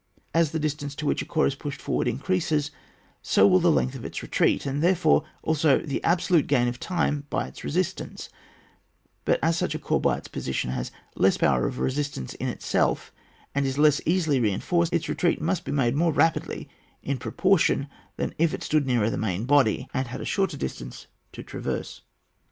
As the distance to which a corps is pushed forward increases so will the length of its retreat, and therefore also the absolute gain of time by its resistance ; but as such a corps by its position has less power of resistance in itself, and is less easily reinforced, its retreat must be made more rapidly in proportion than if it stood nearer the main body, and had a shorter distance to traverse.